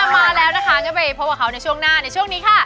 มาแล้วนะคะงั้นไปพบกับเขาในช่วงหน้าในช่วงนี้ค่ะ